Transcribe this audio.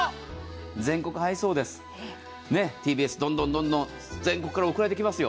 全国配送です、ＴＢＳ、どんどん全国から送られてきますよ。